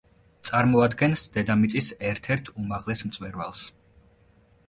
წარმოადგენს დედამიწის ერთ-ერთ უმაღლეს მწვერვალს.